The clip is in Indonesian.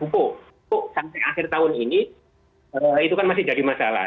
untuk sampai akhir tahun ini itu kan masih jadi masalah